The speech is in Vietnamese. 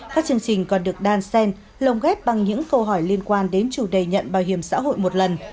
các chương trình còn được đan sen lồng ghép bằng những câu hỏi liên quan đến chủ đề nhận bảo hiểm xã hội một lần